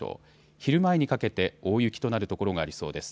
昼前にかけて大雪となる所がありそうです。